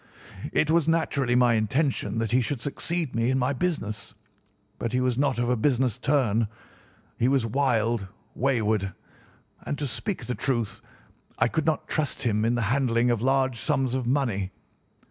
"It was naturally my intention that he should succeed me in my business, but he was not of a business turn. He was wild, wayward, and, to speak the truth, I could not trust him in the handling of large sums of money.